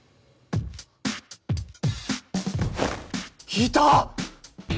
いた！